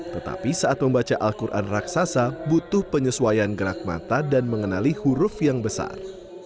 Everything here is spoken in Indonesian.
tetapi saat membaca al quran raksasa butuh penyesuaian gerak mata dan mengenali huruf yang besar